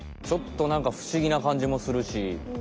ちょっとなんかふしぎなかんじもするし。